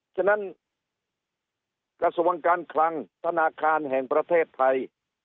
ฉะนั้นกระทรวงการคลังธนาคารแห่งประเทศไทย